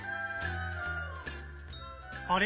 あれ？